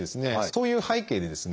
そういう背景でですね